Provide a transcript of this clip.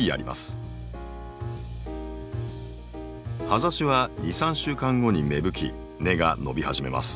葉ざしは２３週間後に芽吹き根が伸び始めます。